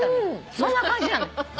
そんな感じなのよ。